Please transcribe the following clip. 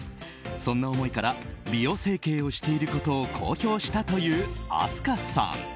そんな思いから美容整形をしていることを公表したという明日花さん。